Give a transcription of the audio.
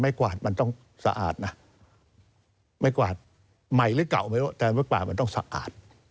กวาดมันต้องสะอาดนะไม่กวาดใหม่หรือเก่าไม่รู้แต่ไม่กวาดมันต้องสะอาด